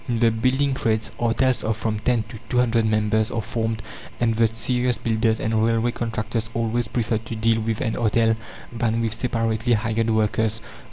In the building trades, artels of from 10 to 200 members are formed; and the serious builders and railway contractors always prefer to deal with an artel than with separately hired workers.